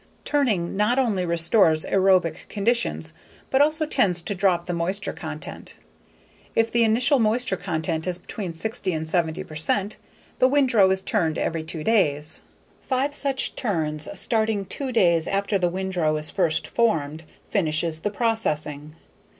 Turning not only restores aerobic conditions, but also tends to drop the moisture content. If the initial moisture content is between 60 and 70 percent, the windrow is turned every two days. Five such turns, starting two days after the windrow is first formed, finishes the processing.